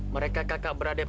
jangan jepit jangan jepit